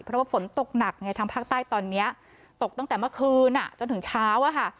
เพราะว่าฝนตกหนักในทางภาคใต้ตอนนี้ตกตั้งแต่เมื่อคืนจนถึงเช้า